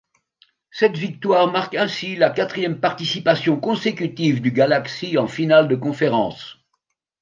Cette victoire marque ainsi la quatrième participation consécutive du Galaxy en finale de conférence.